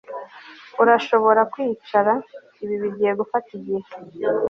urashobora kwicara. ibi bigiye gufata igihe